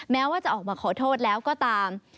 แม้ว่าจะออกมาขอโทษแล้วก็ตาม